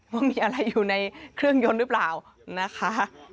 บอกมีอยู่อะไรในเครื่องยนต์รึเปล่านะคะ